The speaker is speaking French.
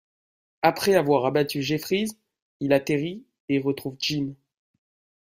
Après avoir abattu Jeffries, il atterrit et retrouve Jim.